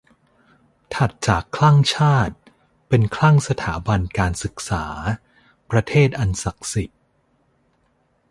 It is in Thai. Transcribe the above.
ถัดจากคลั่งชาติ เป็นคลั่งสถาบันการศึกษา ประเทศอันศักดิ์สิทธิ์